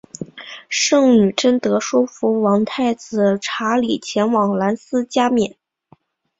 圣女贞德说服王太子查理前往兰斯加冕。